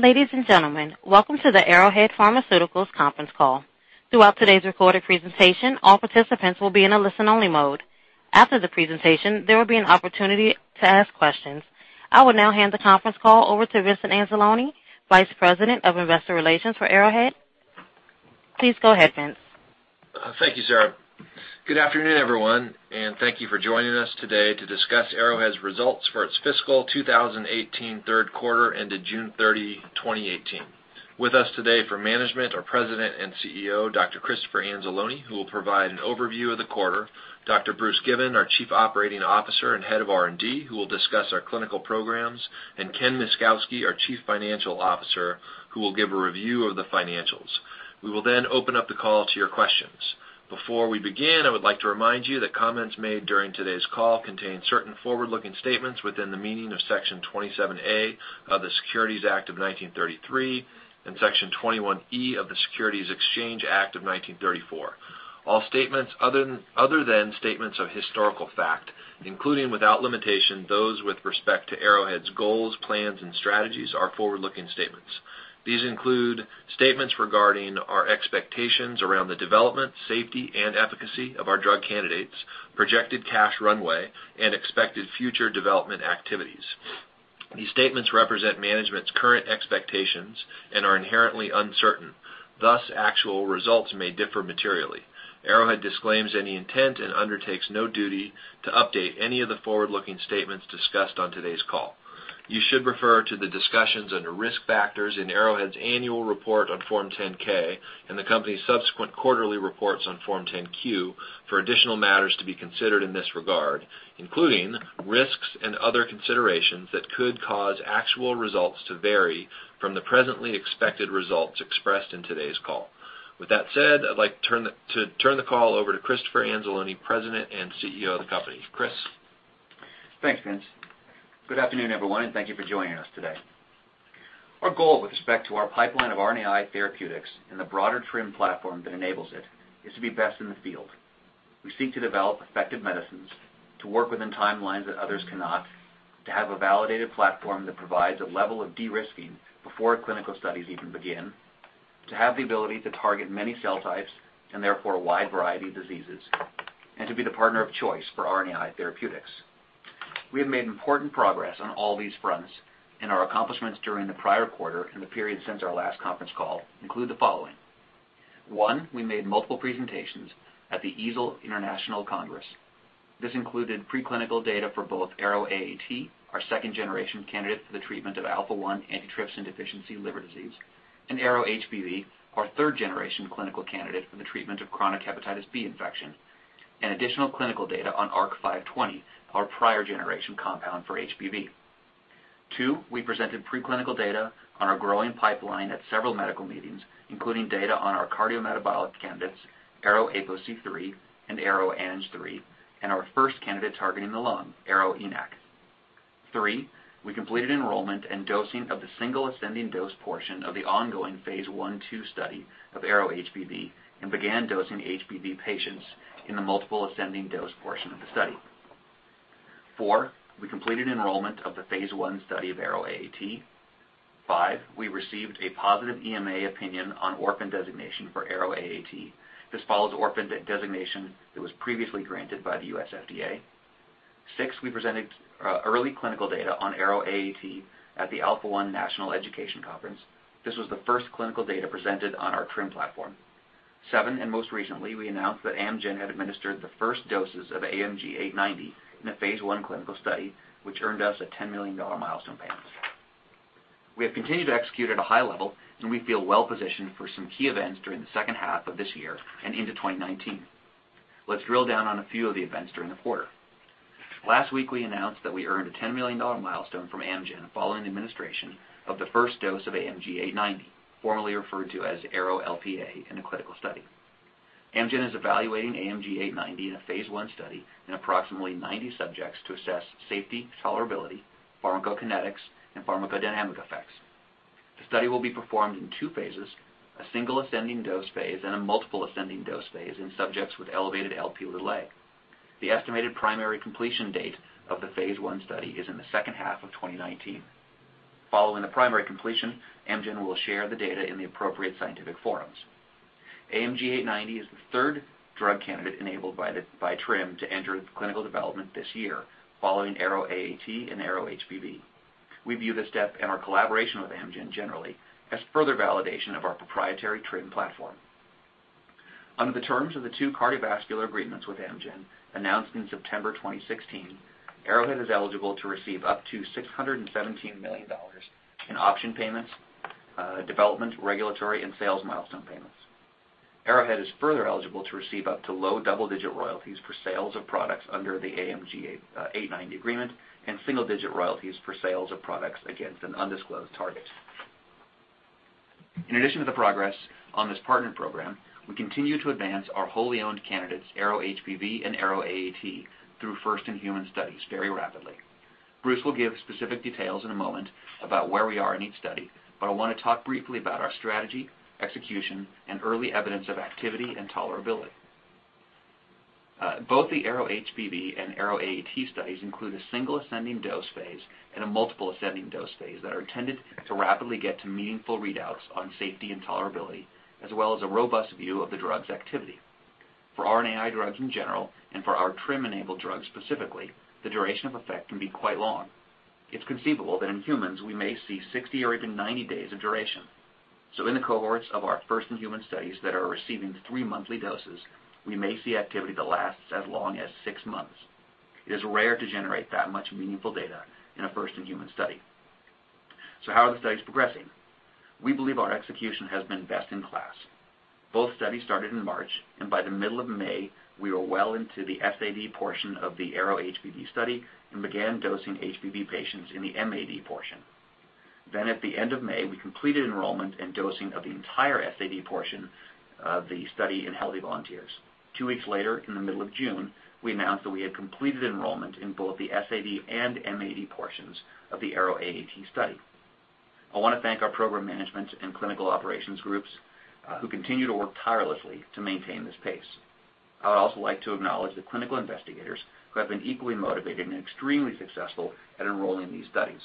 Ladies and gentlemen, welcome to the Arrowhead Pharmaceuticals conference call. Throughout today's recorded presentation, all participants will be in a listen-only mode. After the presentation, there will be an opportunity to ask questions. I will now hand the conference call over to Vincent Anzalone, Vice President of Investor Relations for Arrowhead. Please go ahead, Vince. Thank you, Sarah. Good afternoon, everyone, and thank you for joining us today to discuss Arrowhead's results for its fiscal 2018 third quarter ended June 30, 2018. With us today for management are President and CEO, Dr. Christopher Anzalone, who will provide an overview of the quarter, Dr. Bruce Given, our Chief Operating Officer and Head of R&D, who will discuss our clinical programs, and Ken Myszkowski, our Chief Financial Officer, who will give a review of the financials. We will then open up the call to your questions. Before we begin, I would like to remind you that comments made during today's call contain certain forward-looking statements within the meaning of Section 27A of the Securities Act of 1933 and Section 21E of the Securities Exchange Act of 1934. All statements other than statements of historical fact, including, without limitation those with respect to Arrowhead's goals, plans, and strategies, are forward-looking statements. These include statements regarding our expectations around the development, safety, and efficacy of our drug candidates, projected cash runway, and expected future development activities. These statements represent management's current expectations and are inherently uncertain, thus actual results may differ materially. Arrowhead disclaims any intent and undertakes no duty to update any of the forward-looking statements discussed on today's call. You should refer to the discussions under Risk Factors in Arrowhead's annual report on Form 10-K and the company's subsequent quarterly reports on Form 10-Q for additional matters to be considered in this regard, including risks and other considerations that could cause actual results to vary from the presently expected results expressed in today's call. With that said, I'd like to turn the call over to Christopher Anzalone, President and CEO of the company. Chris? Thanks, Vince. Good afternoon, everyone, and thank you for joining us today. Our goal with respect to our pipeline of RNAi therapeutics and the broader TRiM platform that enables it is to be best in the field. We seek to develop effective medicines, to work within timelines that others cannot, to have a validated platform that provides a level of de-risking before clinical studies even begin, to have the ability to target many cell types, and therefore a wide variety of diseases, and to be the partner of choice for RNAi therapeutics. We have made important progress on all these fronts, our accomplishments during the prior quarter and the period since our last conference call include the following. One, we made multiple presentations at the EASL International Congress. This included preclinical data for both ARO-AAT, our second-generation candidate for the treatment of alpha-1 antitrypsin deficiency liver disease, ARO-HBV, our third-generation clinical candidate for the treatment of chronic hepatitis B infection, and additional clinical data on ARC-520, our prior generation compound for HBV. Two, we presented preclinical data on our growing pipeline at several medical meetings, including data on our cardiometabolic candidates, ARO-APOC3 and ARO-ANG3, and our first candidate targeting the lung, ARO-ENaC. Three, we completed enrollment and dosing of the single ascending dose portion of the ongoing phase I/II study of ARO-HBV and began dosing HBV patients in the multiple ascending dose portion of the study. Four, we completed enrollment of the phase I study of ARO-AAT. Five, we received a positive EMA opinion on orphan designation for ARO-AAT. This follows orphan designation that was previously granted by the U.S. FDA. Six, we presented early clinical data on ARO-AAT at the Alpha-1 National Conference. This was the first clinical data presented on our TRiM platform. Seven, most recently, we announced that Amgen had administered the first doses of AMG 890 in a phase I clinical study, which earned us a $10 million milestone payment. We have continued to execute at a high level, we feel well positioned for some key events during the second half of this year and into 2019. Let's drill down on a few of the events during the quarter. Last week, we announced that we earned a $10 million milestone from Amgen following the administration of the first dose of AMG 890, formerly referred to as ARO-LPA in a clinical study. Amgen is evaluating AMG 890 in a phase I study in approximately 90 subjects to assess safety, tolerability, pharmacokinetics, and pharmacodynamic effects. The study will be performed in two phases, a single ascending dose phase and a multiple ascending dose phase in subjects with elevated Lp(a). The estimated primary completion date of the phase I study is in the second half of 2019. Following the primary completion, Amgen will share the data in the appropriate scientific forums. AMG 890 is the third drug candidate enabled by TRiM to enter into clinical development this year, following ARO-AAT and ARO-HBV. We view this step and our collaboration with Amgen generally as further validation of our proprietary TRiM platform. Under the terms of the two cardiovascular agreements with Amgen announced in September 2016, Arrowhead is eligible to receive up to $617 million in option payments, development, regulatory, and sales milestone payments. Arrowhead is further eligible to receive up to low double-digit royalties for sales of products under the AMG 890 agreement and single-digit royalties for sales of products against an undisclosed target. In addition to the progress on this partner program, we continue to advance our wholly owned candidates, ARO-HBV and ARO-AAT, through first-in-human studies very rapidly. Bruce will give specific details in a moment about where we are in each study, but I want to talk briefly about our strategy, execution, and early evidence of activity and tolerability. Both the ARO-HBV and ARO-AAT studies include a single ascending dose phase and a multiple ascending dose phase that are intended to rapidly get to meaningful readouts on safety and tolerability, as well as a robust view of the drug's activity. For RNAi drugs in general, and for our TRiM-enabled drugs specifically, the duration of effect can be quite long. It's conceivable that in humans we may see 60 or even 90 days of duration. In the cohorts of our first-in-human studies that are receiving three-monthly doses, we may see activity that lasts as long as six months. It is rare to generate that much meaningful data in a first-in-human study. How are the studies progressing? We believe our execution has been best in class. Both studies started in March, by the middle of May, we were well into the SAD portion of the ARO-HBV study and began dosing HBV patients in the MAD portion. At the end of May, we completed enrollment and dosing of the entire SAD portion of the study in healthy volunteers. Two weeks later, in the middle of June, we announced that we had completed enrollment in both the SAD and MAD portions of the ARO-AAT study. I want to thank our program management and clinical operations groups, who continue to work tirelessly to maintain this pace. I would also like to acknowledge the clinical investigators who have been equally motivated and extremely successful at enrolling these studies.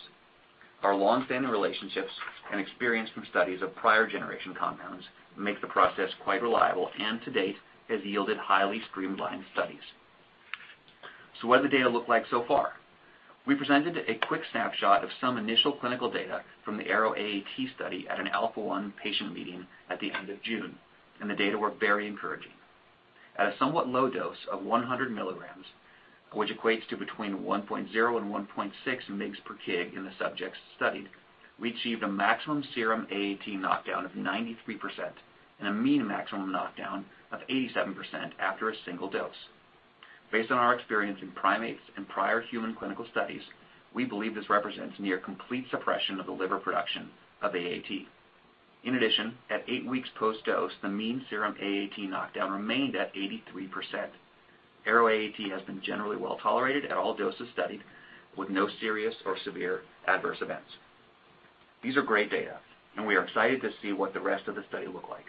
Our longstanding relationships and experience from studies of prior generation compounds make the process quite reliable, to date, has yielded highly streamlined studies. What does the data look like so far? We presented a quick snapshot of some initial clinical data from the ARO-AAT study at an Alpha-1 patient meeting at the end of June, the data were very encouraging. At a somewhat low dose of 100 milligrams, which equates to between 1.0 and 1.6 mg per kg in the subjects studied, we achieved a maximum serum AAT knockdown of 93% and a mean maximum knockdown of 87% after a single dose. Based on our experience in primates and prior human clinical studies, we believe this represents near complete suppression of the liver production of AAT. In addition, at eight weeks post-dose, the mean serum AAT knockdown remained at 83%. ARO-AAT has been generally well-tolerated at all doses studied, with no serious or severe adverse events. These are great data, we are excited to see what the rest of the study look like.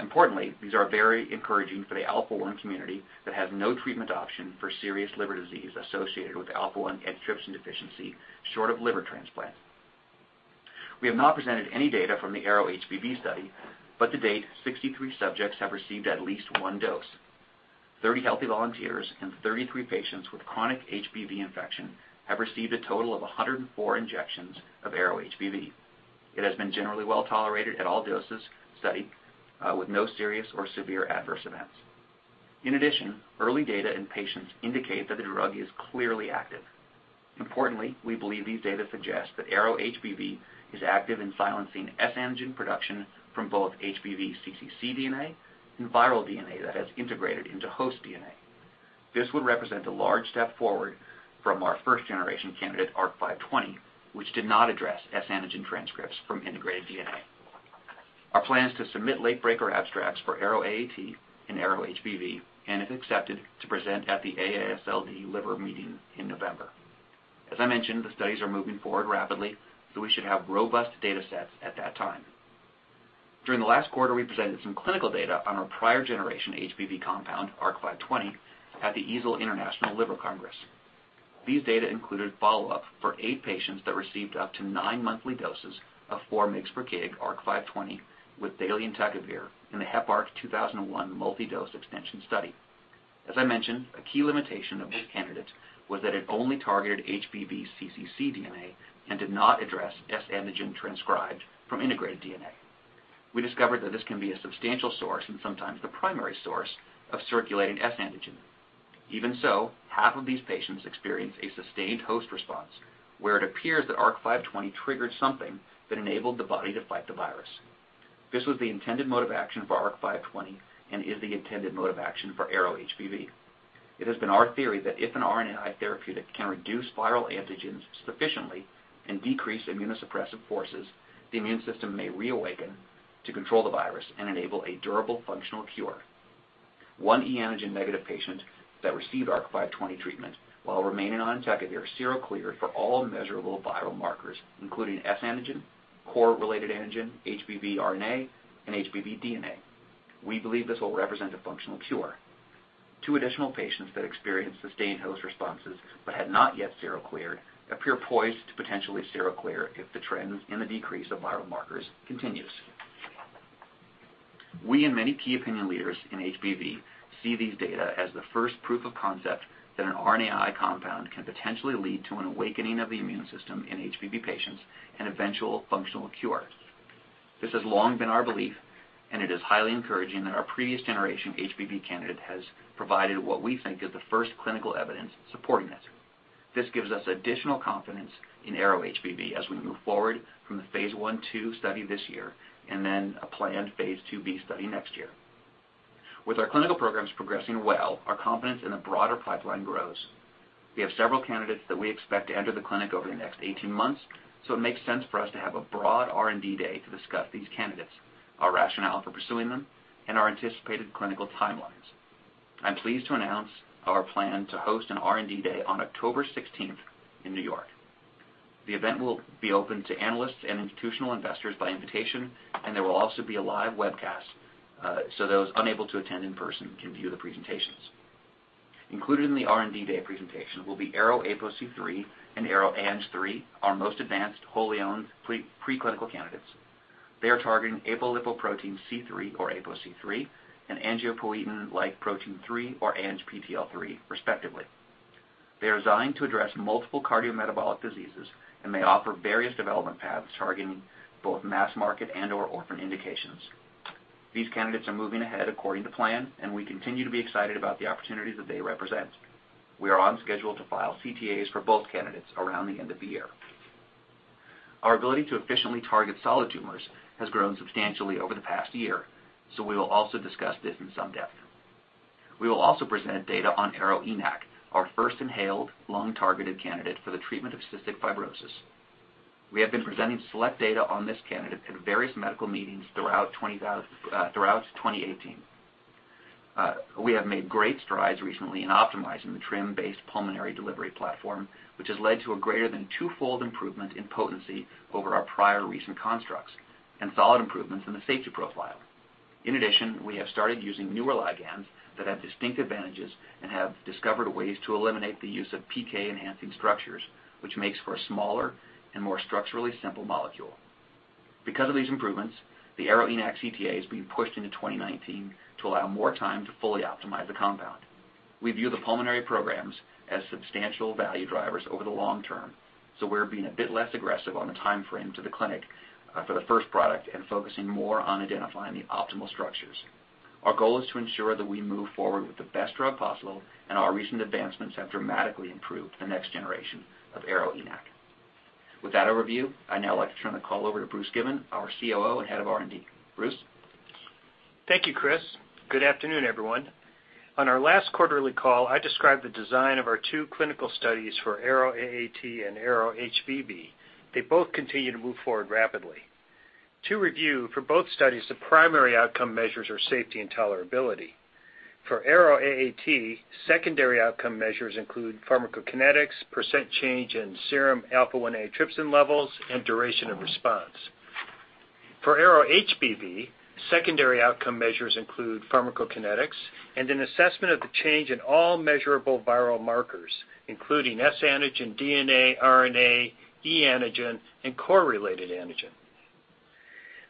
Importantly, these are very encouraging for the Alpha-1 community that has no treatment option for serious liver disease associated with Alpha-1 antitrypsin deficiency, short of liver transplant. We have not presented any data from the ARO-HBV study, but to date, 63 subjects have received at least one dose. 30 healthy volunteers and 33 patients with chronic HBV infection have received a total of 104 injections of ARO-HBV. It has been generally well-tolerated at all doses studied, with no serious or severe adverse events. In addition, early data in patients indicate that the drug is clearly active. Importantly, we believe these data suggest that ARO-HBV is active in silencing S-antigen production from both HBV cccDNA and viral DNA that has integrated into host DNA. This would represent a large step forward from our first-generation candidate, ARC-520, which did not address S-antigen transcripts from integrated DNA. Our plan is to submit late-breaker abstracts for ARO-AAT and ARO-HBV, and if accepted, to present at the AASLD Liver Meeting in November. As I mentioned, the studies are moving forward rapidly, we should have robust data sets at that time. During the last quarter, we presented some clinical data on our prior generation HBV compound, ARC-520, at the EASL International Liver Congress. These data included follow-up for eight patients that received up to nine monthly doses of four mg per kg ARC-520 with daily entecavir in the Heparc-2001 multi-dose extension study. As I mentioned, a key limitation of this candidate was that it only targeted HBV cccDNA and did not address S-antigen transcribed from integrated DNA. We discovered that this can be a substantial source, and sometimes the primary source, of circulating S-antigen. Even so, half of these patients experienced a sustained host response where it appears that ARC-520 triggered something that enabled the body to fight the virus. This was the intended mode of action for ARC-520 and is the intended mode of action for ARO-HBV. It has been our theory that if an RNAi therapeutic can reduce viral antigens sufficiently and decrease immunosuppressive forces, the immune system may reawaken to control the virus and enable a durable functional cure. One e-antigen negative patient that received ARC-520 treatment, while remaining on entecavir, sero-cleared for all measurable viral markers, including S antigen, core-related antigen, HBV RNA, and HBV DNA. We believe this will represent a functional cure. Two additional patients that experienced sustained host responses but had not yet sero-cleared appear poised to potentially sero-clear if the trends in the decrease of viral markers continues. We and many key opinion leaders in HBV see these data as the first proof of concept that an RNAi compound can potentially lead to an awakening of the immune system in HBV patients and eventual functional cure. This has long been our belief, and it is highly encouraging that our previous generation HBV candidate has provided what we think is the first clinical evidence supporting this. This gives us additional confidence in ARO-HBV as we move forward from the phase I/II study this year and then a planned phase IIb study next year. With our clinical programs progressing well, our confidence in the broader pipeline grows. We have several candidates that we expect to enter the clinic over the next 18 months, it makes sense for us to have a broad R&D Day to discuss these candidates, our rationale for pursuing them, and our anticipated clinical timelines. I'm pleased to announce our plan to host an R&D Day on October 16th in New York. The event will be open to analysts and institutional investors by invitation, and there will also be a live webcast, so those unable to attend in person can view the presentations. Included in the R&D Day presentation will be ARO-APOC3 and ARO-ANG3, our most advanced wholly owned preclinical candidates. They are targeting apolipoprotein C-III or APOC3, and angiopoietin-like protein 3, or ANGPTL3, respectively. They are designed to address multiple cardiometabolic diseases and may offer various development paths targeting both mass market and/or orphan indications. These candidates are moving ahead according to plan, and we continue to be excited about the opportunities that they represent. We are on schedule to file CTAs for both candidates around the end of the year. Our ability to efficiently target solid tumors has grown substantially over the past year. We will also discuss this in some depth. We will also present data on ARO-ENaC, our first inhaled lung-targeted candidate for the treatment of cystic fibrosis. We have been presenting select data on this candidate at various medical meetings throughout 2018. We have made great strides recently in optimizing the TRiM-based pulmonary delivery platform, which has led to a greater than twofold improvement in potency over our prior recent constructs and solid improvements in the safety profile. In addition, we have started using newer ligands that have distinct advantages and have discovered ways to eliminate the use of PK-enhancing structures, which makes for a smaller and more structurally simple molecule. Because of these improvements, the ARO-ENaC CTA is being pushed into 2019 to allow more time to fully optimize the compound. We view the pulmonary programs as substantial value drivers over the long term, we're being a bit less aggressive on the timeframe to the clinic for the first product and focusing more on identifying the optimal structures. Our goal is to ensure that we move forward with the best drug possible, and our recent advancements have dramatically improved the next generation of ARO-ENaC. With that overview, I'd now like to turn the call over to Bruce Given, our COO and Head of R&D. Bruce? Thank you, Chris. Good afternoon, everyone. On our last quarterly call, I described the design of our two clinical studies for ARO-AAT and ARO-HBV. They both continue to move forward rapidly. To review, for both studies, the primary outcome measures are safety and tolerability. For ARO-AAT, secondary outcome measures include pharmacokinetics, percent change in serum alpha-1 antitrypsin levels, and duration of response. For ARO-HBV, secondary outcome measures include pharmacokinetics and an assessment of the change in all measurable viral markers, including S antigen, DNA, RNA, E antigen, and core-related antigen.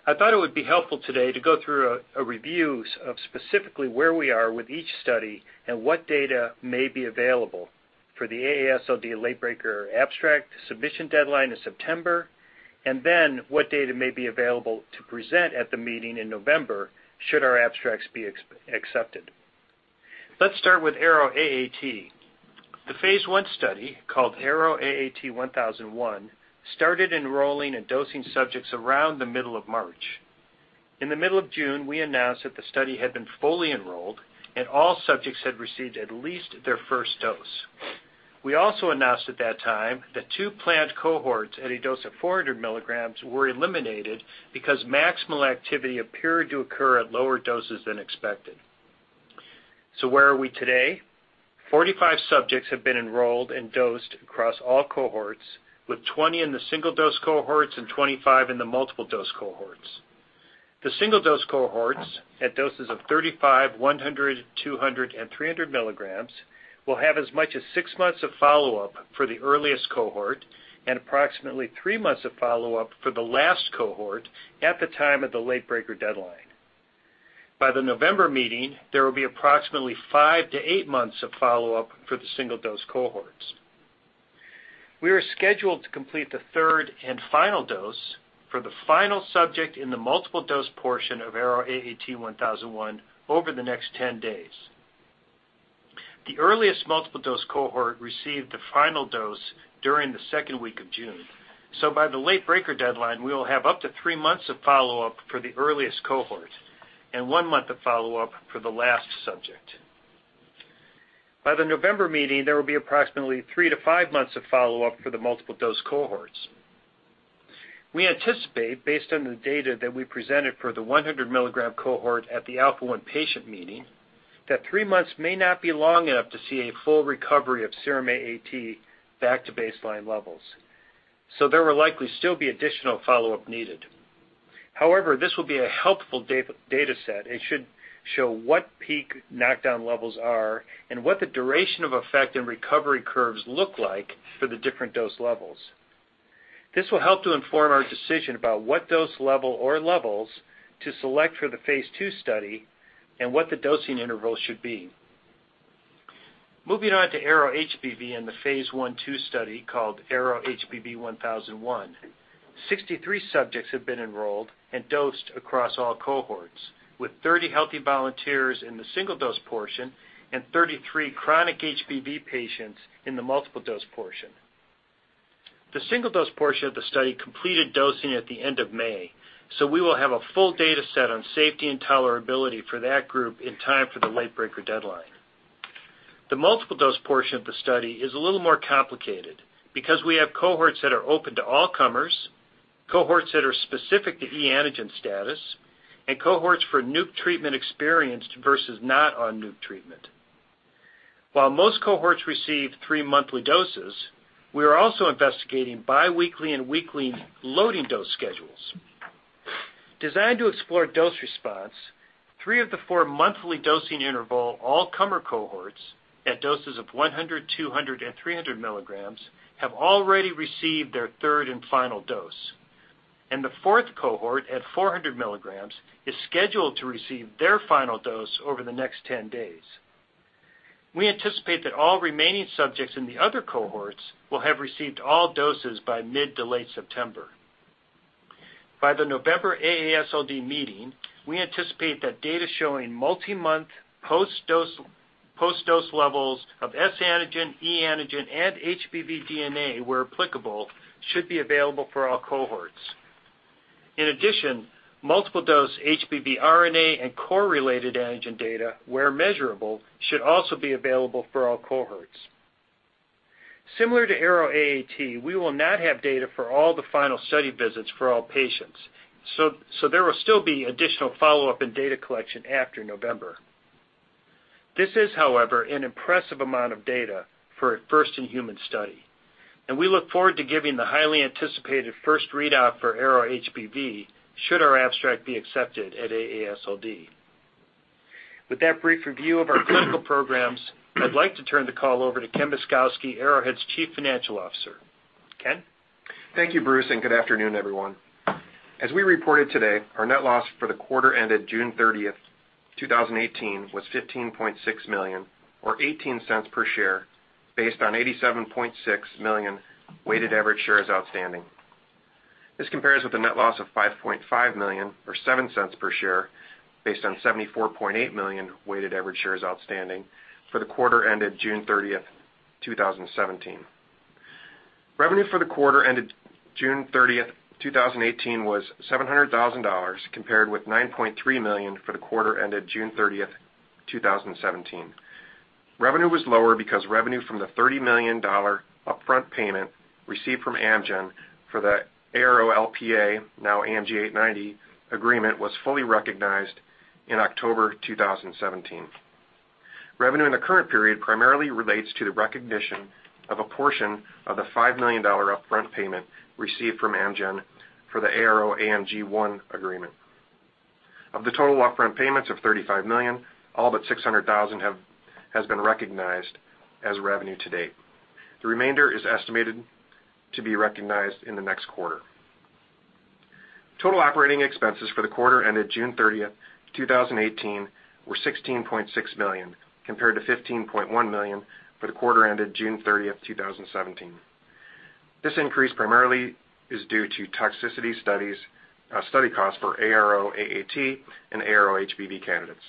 I thought it would be helpful today to go through a review of specifically where we are with each study and what data may be available for the AASLD Late Breaker abstract submission deadline in September, and what data may be available to present at the meeting in November should our abstracts be accepted. Let's start with ARO-AAT. The phase I study, called ARO-AAT 1001, started enrolling and dosing subjects around the middle of March. In the middle of June, we announced that the study had been fully enrolled and all subjects had received at least their first dose. We also announced at that time that two planned cohorts at a dose of 400 milligrams were eliminated because maximal activity appeared to occur at lower doses than expected. Where are we today? 45 subjects have been enrolled and dosed across all cohorts, with 20 in the single-dose cohorts and 25 in the multiple-dose cohorts. The single-dose cohorts at doses of 35, 100, 200, and 300 milligrams will have as much as 6 months of follow-up for the earliest cohort and approximately 3 months of follow-up for the last cohort at the time of the Late Breaker deadline. By the November meeting, there will be approximately 5 to 8 months of follow-up for the single-dose cohorts. We are scheduled to complete the third and final dose for the final subject in the multiple-dose portion of ARO-AAT 1001 over the next 10 days. The earliest multiple-dose cohort received the final dose during the second week of June. By the Late Breaker deadline, we will have up to 3 months of follow-up for the earliest cohort and 1 month of follow-up for the last subject. By the November meeting, there will be approximately 3 to 5 months of follow-up for the multiple-dose cohorts. We anticipate, based on the data that we presented for the 100-milligram cohort at the Alpha-1 National Conference, that 3 months may not be long enough to see a full recovery of serum AAT back to baseline levels. There will likely still be additional follow-up needed. However, this will be a helpful data set. It should show what peak knockdown levels are and what the duration of effect and recovery curves look like for the different dose levels. This will help to inform our decision about what dose level or levels to select for the phase II study and what the dosing interval should be. Moving on to ARO-HBV and the phase I/II study called ARO-HBV 1001. 63 subjects have been enrolled and dosed across all cohorts, with 30 healthy volunteers in the single-dose portion and 33 chronic HBV patients in the multiple-dose portion. The single-dose portion of the study completed dosing at the end of May, we will have a full data set on safety and tolerability for that group in time for the Late Breaker deadline. The multiple-dose portion of the study is a little more complicated because we have cohorts that are open to all comers, cohorts that are specific to E antigen status, and cohorts for NUC treatment experienced versus not on NUC treatment. While most cohorts receive 3 monthly doses, we are also investigating bi-weekly and weekly loading dose schedules. Designed to explore dose response, 3 of the 4 monthly dosing interval all-comer cohorts at doses of 100, 200, and 300 milligrams have already received their third and final dose. The fourth cohort at 400 milligrams is scheduled to receive their final dose over the next 10 days. We anticipate that all remaining subjects in the other cohorts will have received all doses by mid to late September. By the November AASLD meeting, we anticipate that data showing multi-month post-dose levels of S antigen, E antigen, and HBV DNA, where applicable, should be available for all cohorts. In addition, multiple dose HBV RNA and core-related antigen data, where measurable, should also be available for all cohorts. Similar to ARO-AAT, we will not have data for all the final study visits for all patients. There will still be additional follow-up and data collection after November. This is, however, an impressive amount of data for a first-in-human study. We look forward to giving the highly anticipated first readout for ARO-HBV should our abstract be accepted at AASLD. With that brief review of our clinical programs, I'd like to turn the call over to Ken Myszkowski, Arrowhead's Chief Financial Officer. Ken? Thank you, Bruce, and good afternoon, everyone. As we reported today, our net loss for the quarter ended June 30, 2018, was $15.6 million, or $0.18 per share based on 87.6 million weighted average shares outstanding. This compares with the net loss of $5.5 million or $0.07 per share, based on 74.8 million weighted average shares outstanding for the quarter ended June 30, 2017. Revenue for the quarter ended June 30, 2018, was $700,000, compared with $9.3 million for the quarter ended June 30, 2017. Revenue was lower because revenue from the $30 million upfront payment received from Amgen for the ARO-LPA, now AMG 890, agreement was fully recognized in October 2017. Revenue in the current period primarily relates to the recognition of a portion of the $5 million upfront payment received from Amgen for the ARO-AMG1 agreement. Of the total upfront payments of $35 million, all but $600,000 has been recognized as revenue to date. The remainder is estimated to be recognized in the next quarter. Total operating expenses for the quarter ended June 30, 2018, were $16.6 million, compared to $15.1 million for the quarter ended June 30, 2017. This increase primarily is due to toxicity study costs for ARO-AAT and ARO-HBV candidates.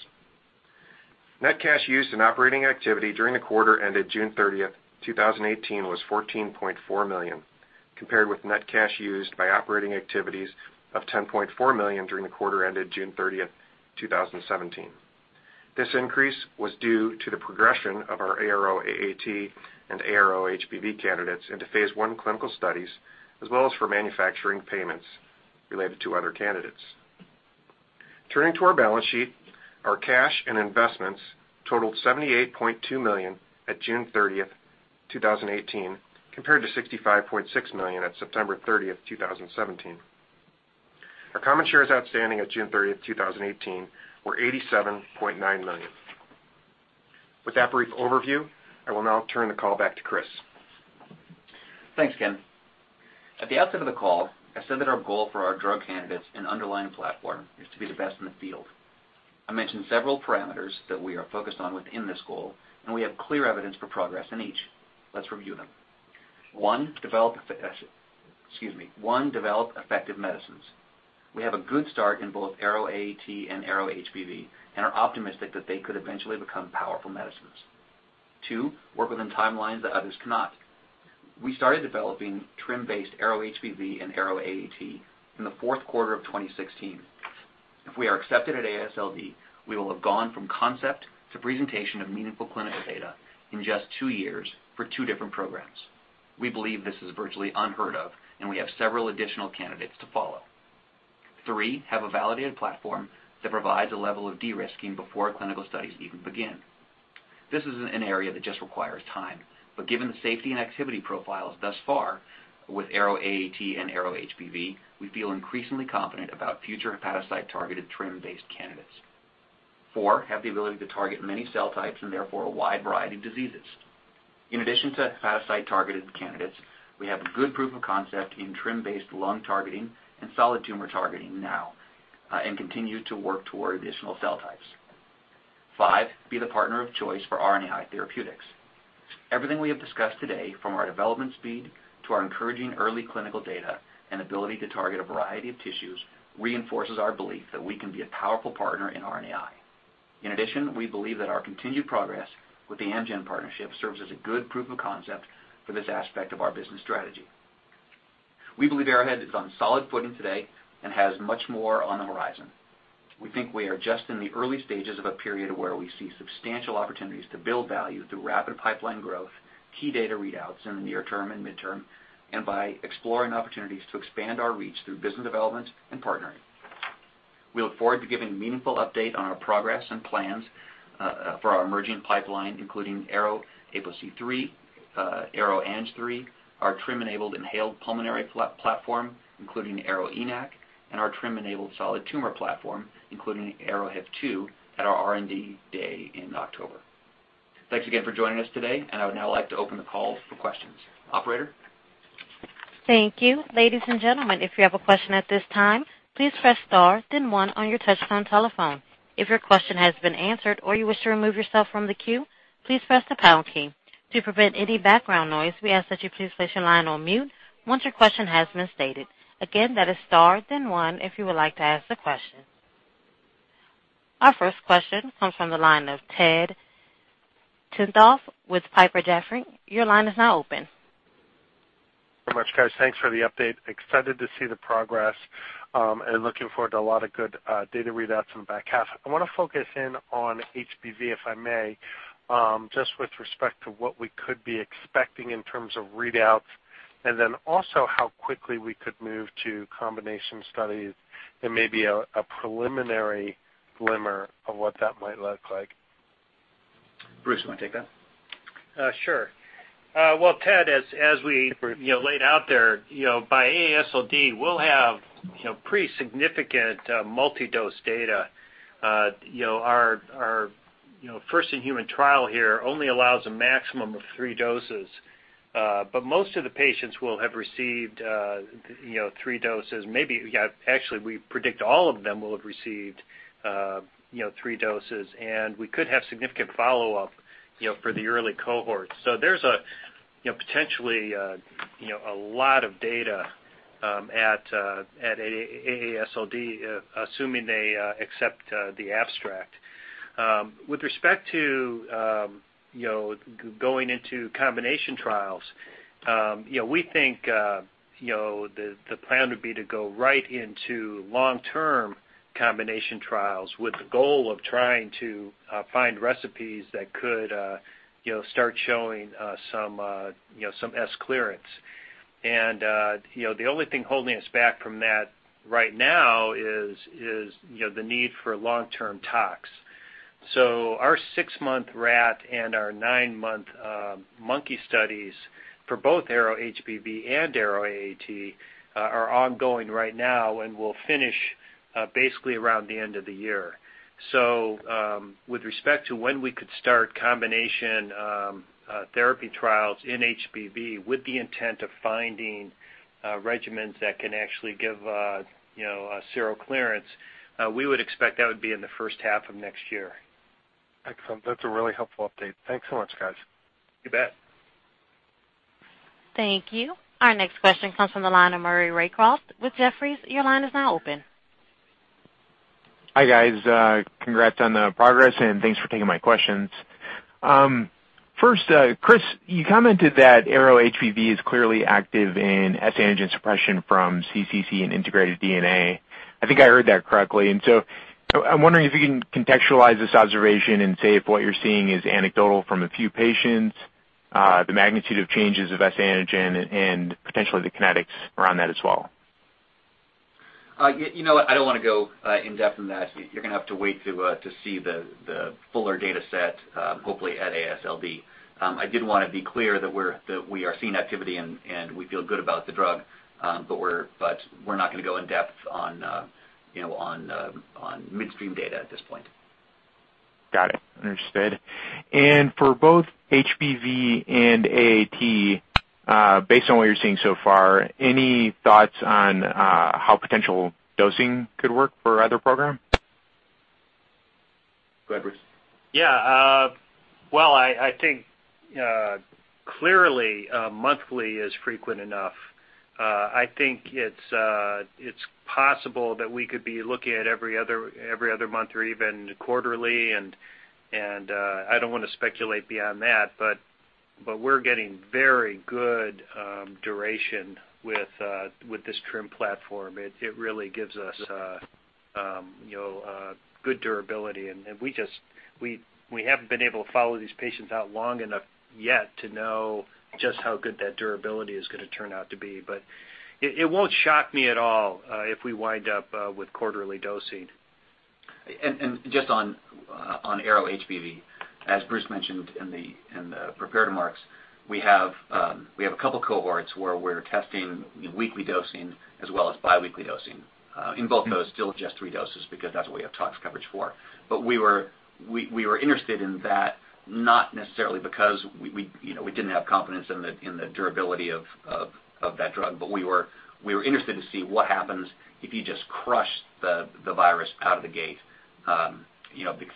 Net cash used in operating activity during the quarter ended June 30, 2018, was $14.4 million, compared with net cash used by operating activities of $10.4 million during the quarter ended June 30, 2017. This increase was due to the progression of our ARO-AAT and ARO-HBV candidates into phase I clinical studies, as well as for manufacturing payments related to other candidates. Turning to our balance sheet, our cash and investments totaled $78.2 million at June 30, 2018, compared to $65.6 million at September 30, 2017. Our common shares outstanding at June 30, 2018, were 87.9 million. With that brief overview, I will now turn the call back to Chris. Thanks, Ken. At the outset of the call, I said that our goal for our drug candidates and underlying platform is to be the best in the field. I mentioned several parameters that we are focused on within this goal, and we have clear evidence for progress in each. Let's review them. 1. Develop effective medicines. We have a good start in both ARO-AAT and ARO-HBV and are optimistic that they could eventually become powerful medicines. 2. Work within timelines that others cannot. We started developing TRiM-based ARO-HBV and ARO-AAT in the fourth quarter of 2016. If we are accepted at AASLD, we will have gone from concept to presentation of meaningful clinical data in just two years for two different programs. We believe this is virtually unheard of, and we have several additional candidates to follow. 3. Have a validated platform that provides a level of de-risking before clinical studies even begin. This is an area that just requires time, but given the safety and activity profiles thus far with ARO-AAT and ARO-HBV, we feel increasingly confident about future hepatocyte targeted TRiM-based candidates. 4. Have the ability to target many cell types and therefore a wide variety of diseases. In addition to hepatocyte targeted candidates, we have a good proof of concept in TRiM-based lung targeting and solid tumor targeting now, and continue to work toward additional cell types. 5. Be the partner of choice for RNAi therapeutics. Everything we have discussed today, from our development speed to our encouraging early clinical data and ability to target a variety of tissues, reinforces our belief that we can be a powerful partner in RNAi. We believe that our continued progress with the Amgen partnership serves as a good proof of concept for this aspect of our business strategy. We believe Arrowhead is on solid footing today and has much more on the horizon. We think we are just in the early stages of a period where we see substantial opportunities to build value through rapid pipeline growth, key data readouts in the near term and midterm, and by exploring opportunities to expand our reach through business development and partnering. We look forward to giving a meaningful update on our progress and plans for our emerging pipeline, including ARO-APOC3, ARO-ANG3, our TRiM-enabled inhaled pulmonary platform, including ARO-ENaC, and our TRiM-enabled solid tumor platform, including ARO-HIF2 at our R&D Day in October. Thanks again for joining us today. I would now like to open the call for questions. Operator? Thank you. Ladies and gentlemen, if you have a question at this time, please press star then one on your touchtone telephone. If your question has been answered or you wish to remove yourself from the queue, please press the pound key. To prevent any background noise, we ask that you please place your line on mute once your question has been stated. Again, that is star then one if you would like to ask a question. Our first question comes from the line of Ted Tenthoff with Piper Jaffray. Your line is now open. Much, guys. Thanks for the update. Excited to see the progress, and looking forward to a lot of good data readouts in the back half. I want to focus in on HBV, if I may, just with respect to what we could be expecting in terms of readouts, and then also how quickly we could move to combination studies and maybe a preliminary glimmer of what that might look like. Bruce, you want to take that? Sure. Ted, as we laid out there, by AASLD, we'll have pretty significant multi-dose data. Our first in-human trial here only allows a maximum of three doses. Most of the patients will have received three doses. Maybe, actually, we predict all of them will have received three doses, and we could have significant follow-up for the early cohort. There's potentially a lot of data at AASLD, assuming they accept the abstract. With respect to going into combination trials, we think the plan would be to go right into long-term combination trials with the goal of trying to find recipes that could start showing some S clearance. The only thing holding us back from that right now is the need for long-term tox. Our six-month rat and our nine-month monkey studies for both ARO-HBV and ARO-AAT are ongoing right now and will finish basically around the end of the year. With respect to when we could start combination therapy trials in HBV with the intent of finding regimens that can actually give a seroclearance, we would expect that would be in the first half of next year. Excellent. That's a really helpful update. Thanks so much, guys. You bet. Thank you. Our next question comes from the line of Maury Raycroft with Jefferies. Your line is now open. Hi, guys. Congrats on the progress, and thanks for taking my questions. First, Chris, you commented that ARO-HBV is clearly active in S antigen suppression from cccDNA and integrated DNA. I think I heard that correctly. I'm wondering if you can contextualize this observation and say if what you're seeing is anecdotal from a few patients, the magnitude of changes of S antigen, and potentially the kinetics around that as well. You know what? I don't want to go in-depth on that. You're going to have to wait to see the fuller data set, hopefully at AASLD. I did want to be clear that we are seeing activity and we feel good about the drug, we're not going to go in depth on midstream data at this point. Got it. Understood. For both HBV and AAT, based on what you're seeing so far, any thoughts on how potential dosing could work for either program? Go ahead, Bruce. Yeah. I think clearly monthly is frequent enough. I think it's possible that we could be looking at every other month or even quarterly, and I don't want to speculate beyond that, but we're getting very good duration with this TRiM platform. It really gives us good durability, and we haven't been able to follow these patients out long enough yet to know just how good that durability is going to turn out to be. It won't shock me at all if we wind up with quarterly dosing. Just on ARO-HBV, as Bruce mentioned in the prepared remarks, we have a couple cohorts where we're testing weekly dosing as well as biweekly dosing. In both those, still just three doses because that's what we have tox coverage for. We were interested in that not necessarily because we didn't have confidence in the durability of that drug, but we were interested to see what happens if you just crush the virus out of the gate.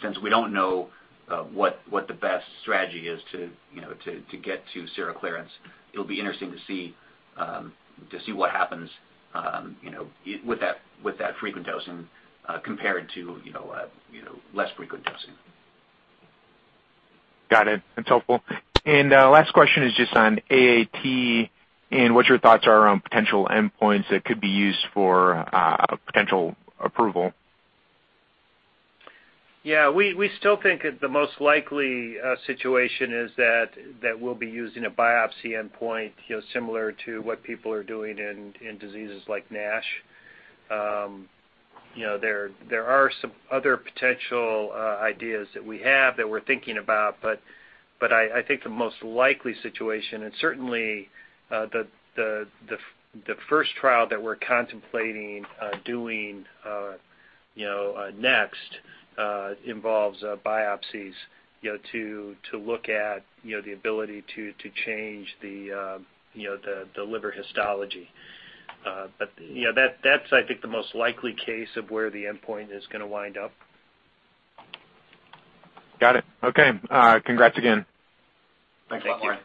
Since we don't know what the best strategy is to get to seroclearance, it'll be interesting to see what happens with that frequent dosing compared to less frequent dosing. Got it. That's helpful. Last question is just on AAT and what your thoughts are on potential endpoints that could be used for potential approval. Yeah. We still think that the most likely situation is that we'll be using a biopsy endpoint similar to what people are doing in diseases like NASH. There are some other potential ideas that we have that we're thinking about, but I think the most likely situation, and certainly the first trial that we're contemplating doing next involves biopsies to look at the ability to change the liver histology. That's, I think, the most likely case of where the endpoint is going to wind up. Got it. Okay. Congrats again. Thanks a lot, Maury.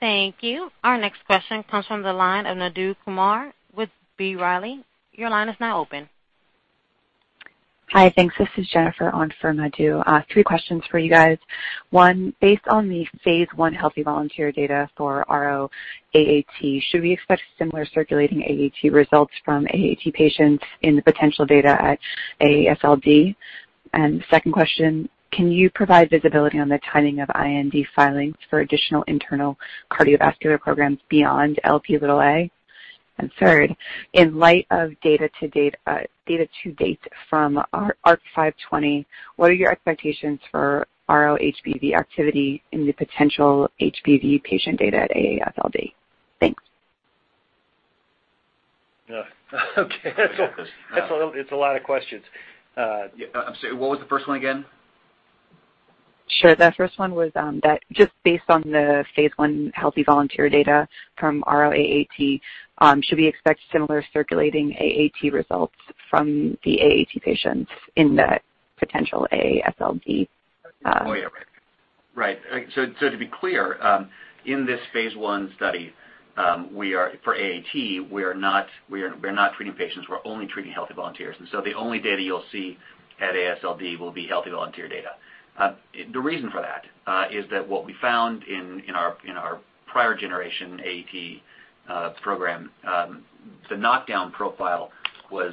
Thank you. Our next question comes from the line of Madhu Kumar with B. Riley. Your line is now open. Hi, thanks. This is Jennifer on for Madhu. Three questions for you guys. One, based on the phase I healthy volunteer data for ARO-AAT, should we expect similar circulating AAT results from AAT patients in the potential data at AASLD? Second question, can you provide visibility on the timing of IND filings for additional internal cardiovascular programs beyond Lp(a)? Third, in light of data to date from ARC-520, what are your expectations for ARO-HBV activity in the potential HBV patient data at AASLD? Thanks. Yeah. Okay. It's a lot of questions. Yeah. I'm sorry, what was the first one again? Sure. The first one was that just based on the phase I healthy volunteer data from ARO-AAT, should we expect similar circulating AAT results from the AAT patients in the potential AASLD- Oh, yeah. Right. To be clear, in this phase I study for AAT, we're not treating patients. We're only treating healthy volunteers. The only data you'll see at AASLD will be healthy volunteer data. The reason for that is that what we found in our prior generation AAT program, the knockdown profile was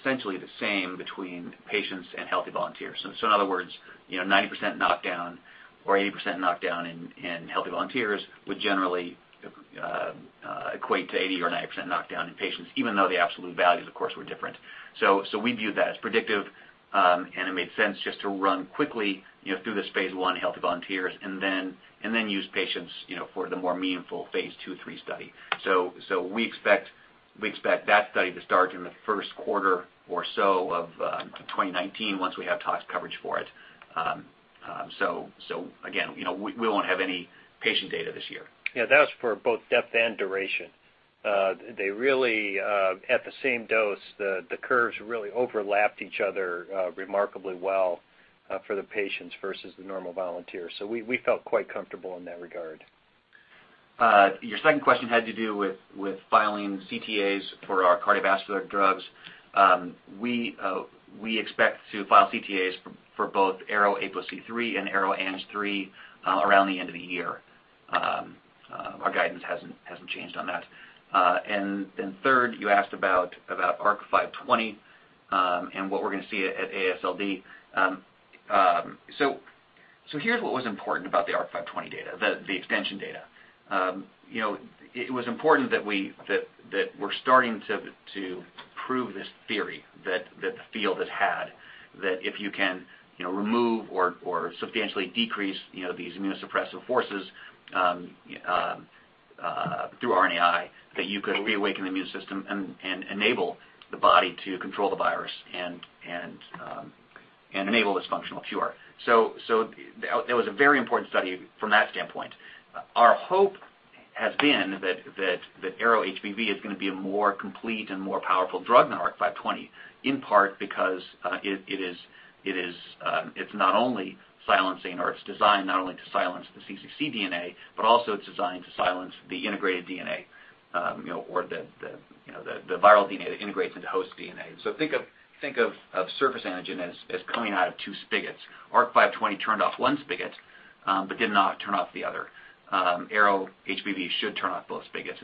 essentially the same between patients and healthy volunteers. In other words, 90% knockdown or 80% knockdown in healthy volunteers would generally equate to 80% or 90% knockdown in patients, even though the absolute values, of course, were different. We viewed that as predictive, and it made sense just to run quickly through this phase I healthy volunteers and then use patients for the more meaningful phase II, III study. We expect that study to start in the first quarter or so of 2019 once we have tox coverage for it. Again, we won't have any patient data this year. Yeah, that was for both depth and duration. At the same dose, the curves really overlapped each other remarkably well for the patients versus the normal volunteers. We felt quite comfortable in that regard. Your second question had to do with filing CTAs for our cardiovascular drugs. We expect to file CTAs for both ARO-APOC3 and ARO-ANG3 around the end of the year. Our guidance hasn't changed on that. Third, you asked about ARC-520 and what we're going to see at AASLD. Here's what was important about the ARC-520 data, the extension data. It was important that we're starting to prove this theory that the field had had, that if you can remove or substantially decrease these immunosuppressive forces through RNAi, that you could reawaken the immune system and enable the body to control the virus and enable this functional cure. It was a very important study from that standpoint. Our hope has been that ARO-HBV is going to be a more complete and more powerful drug than ARC-520, in part because it's designed not only to silence the cccDNA, but also it's designed to silence the integrated DNA, or the viral DNA that integrates into host DNA. Think of surface antigen as coming out of two spigots. ARC-520 turned off one spigot but did not turn off the other. ARO-HBV should turn off both spigots.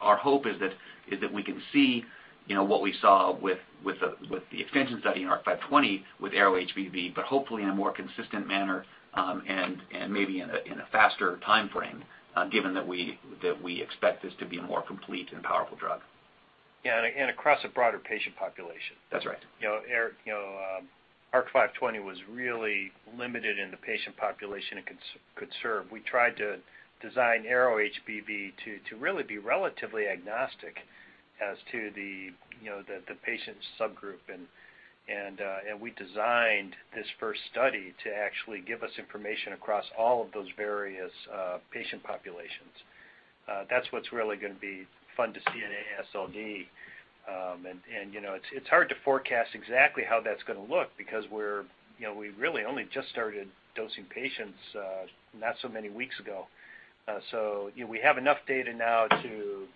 Our hope is that we can see what we saw with the extension study in ARC-520 with ARO-HBV, but hopefully in a more consistent manner and maybe in a faster timeframe, given that we expect this to be a more complete and powerful drug. Yeah, across a broader patient population. That's right. ARC-520 was really limited in the patient population it could serve. We tried to design ARO-HBV to really be relatively agnostic as to the patient subgroup, and we designed this first study to actually give us information across all of those various patient populations. That's what's really going to be fun to see in AASLD. It's hard to forecast exactly how that's going to look because we really only just started dosing patients not so many weeks ago. We have enough data now to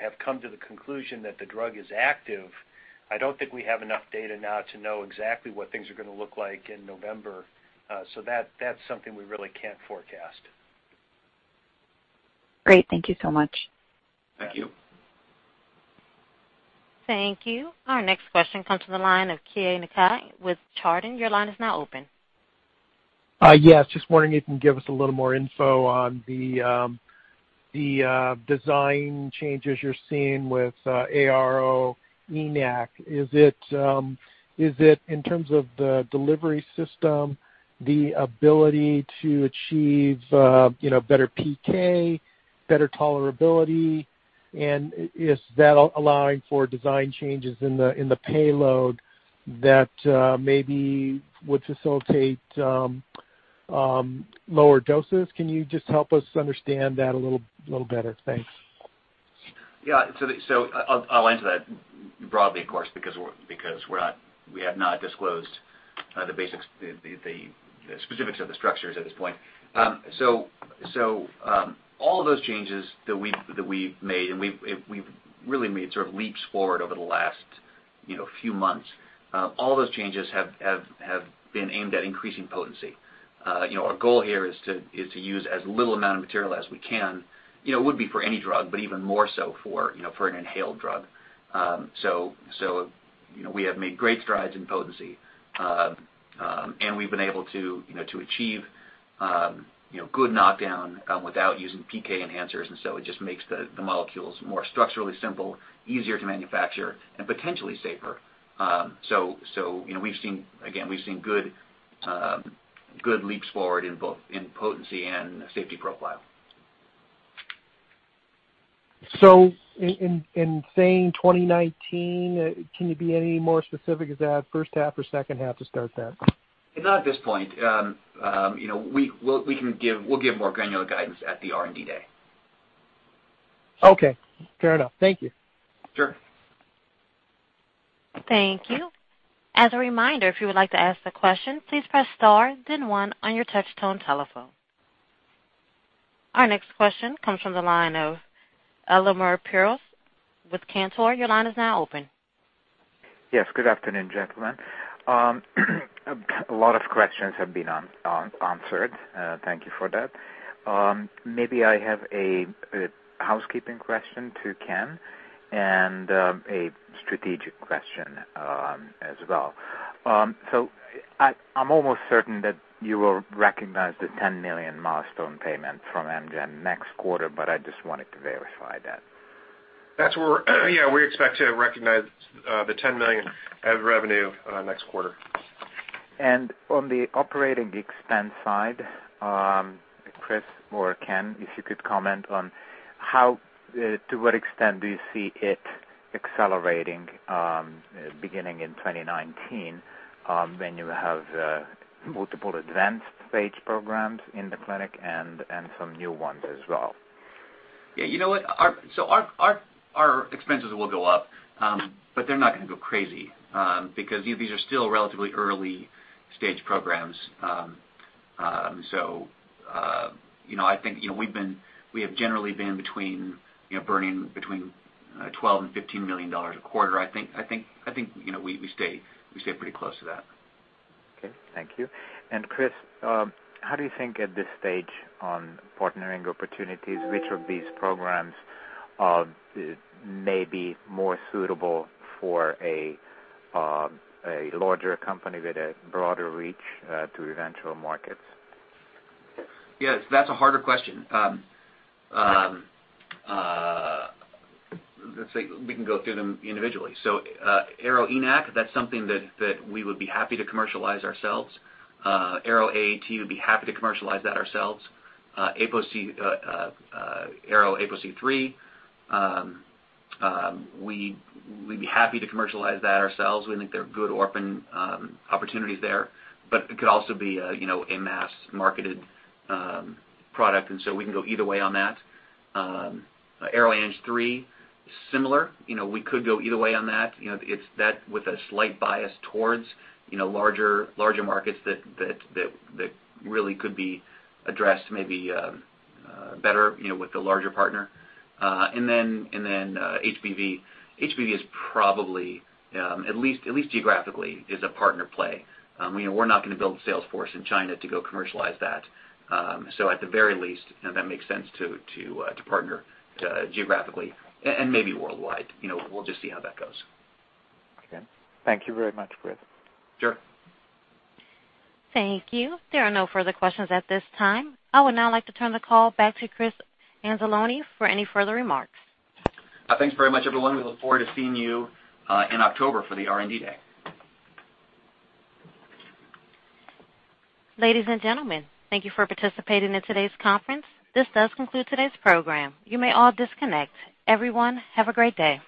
have come to the conclusion that the drug is active. I don't think we have enough data now to know exactly what things are going to look like in November. That's something we really can't forecast. Great. Thank you so much. Thank you. Thank you. Our next question comes from the line of Keay Nakae with Chardan. Your line is now open. Just wondering if you can give us a little more info on the design changes you're seeing with ARO-ENaC. Is it, in terms of the delivery system, the ability to achieve better PK, better tolerability? Is that allowing for design changes in the payload that maybe would facilitate lower doses? Can you just help us understand that a little better? Thanks. I'll answer that broadly, of course, because we have not disclosed the specifics of the structures at this point. All of those changes that we've made, and we've really made sort of leaps forward over the last few months. All those changes have been aimed at increasing potency. Our goal here is to use as little amount of material as we can. It would be for any drug, but even more so for an inhaled drug. We have made great strides in potency. We've been able to achieve good knockdown without using PK enhancers, and so it just makes the molecules more structurally simple, easier to manufacture and potentially safer. Again, we've seen good leaps forward in both, in potency and safety profile. In saying 2019, can you be any more specific? Is that first half or second half to start that? Not at this point. We'll give more granular guidance at the R&D Day. Okay, fair enough. Thank you. Sure. Thank you. As a reminder, if you would like to ask a question, please press star then one on your touch tone telephone. Our next question comes from the line of Elemer Piros with Cantor. Your line is now open. Yes. Good afternoon, gentlemen. A lot of questions have been answered. Thank you for that. Maybe I have a housekeeping question to Ken, and a strategic question as well. I'm almost certain that you will recognize the $10 million milestone payment from Amgen next quarter. I just wanted to verify that. That's where we expect to recognize the $10 million as revenue next quarter. On the operating expense side, Chris or Ken, if you could comment on to what extent do you see it accelerating beginning in 2019, when you have multiple advanced stage programs in the clinic and some new ones as well? Yeah. You know what? Our expenses will go up. They're not gonna go crazy, because these are still relatively early stage programs. I think we have generally been burning between $12 million and $15 million a quarter. I think we stay pretty close to that. Okay, thank you. Chris, how do you think at this stage on partnering opportunities, which of these programs may be more suitable for a larger company with a broader reach to eventual markets? Yes, that's a harder question. Let's see. We can go through them individually. ARO-ENaC, that's something that we would be happy to commercialize ourselves. ARO-AAT, we'd be happy to commercialize that ourselves. ARO-APOC3, we'd be happy to commercialize that ourselves. We think there are good orphan opportunities there, but it could also be a mass-marketed product, and so we can go either way on that. ARO-ANG3, similar. We could go either way on that, with a slight bias towards larger markets that really could be addressed maybe better with a larger partner. HBV. HBV is probably, at least geographically, is a partner play. We're not gonna build a sales force in China to go commercialize that. At the very least, that makes sense to partner geographically and maybe worldwide. We'll just see how that goes. Okay. Thank you very much, Chris. Sure. Thank you. There are no further questions at this time. I would now like to turn the call back to Chris Anzalone for any further remarks. Thanks very much, everyone. We look forward to seeing you in October for the R&D Day. Ladies and gentlemen, thank you for participating in today's conference. This does conclude today's program. You may all disconnect. Everyone, have a great day.